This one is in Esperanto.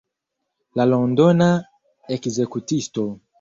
La Londona ekzekutisto.